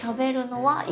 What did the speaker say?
はい。